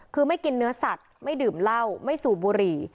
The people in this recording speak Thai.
คือไม่กินเนื้อสัตว์ไม่ดื่มเหล้าไม่สูบบุหรี่